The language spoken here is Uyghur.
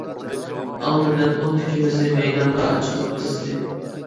ئالدى بىلەن ئون ئىككىمىزنى مەيدانغا ئاچىقىپ تىزدى.